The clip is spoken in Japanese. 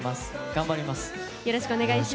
頑張ります。